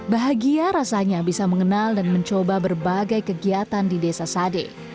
bahagia rasanya bisa mengenal dan mencoba berbagai kegiatan di desa sade